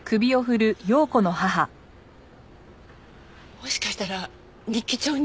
もしかしたら日記帳に。